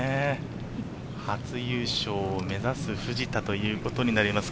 初優勝を目指す藤田ということになります。